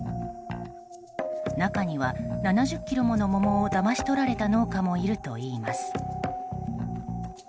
中には、７０ｋｇもの桃をだまし取られた農家もいるといいます。